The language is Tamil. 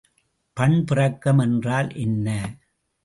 பண்பிறக்கம் என்றல் என்ன?